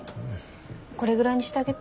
これぐらいにしてあげて。